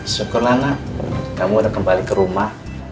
syukurlah kamu udah kembali ke rumah